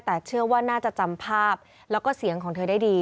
แต่เชื่อว่าน่าจะจำภาพแล้วก็เสียงของเธอได้ดี